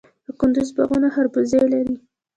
د کندز باغونه خربوزې لري.